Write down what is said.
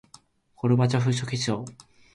ゴルバチョフ書記長